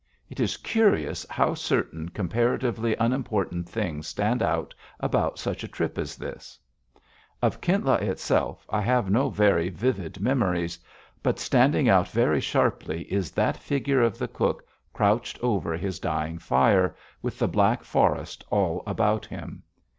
It is curious how certain comparatively unimportant things stand out about such a trip as this. Of Kintla itself, I have no very vivid memories. But standing out very sharply is that figure of the cook crouched over his dying fire, with the black forest all about him.